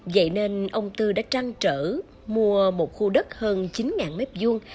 vậy nên ông tư đã trăng trở mua một khu đất hơn chín mếp dung